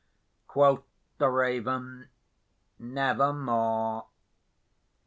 Quoth the Raven, "Nevermore."